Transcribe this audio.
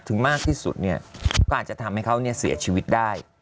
มากที่สุดเนี่ยก็อาจจะทำให้เขาเสียชีวิตได้